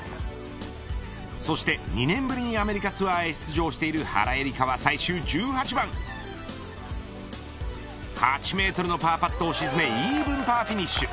そして２年ぶりにアメリカツアーで出場している原英莉花は最終１８番８メートルのパーパットを沈めイーブンパーフィニッシュ。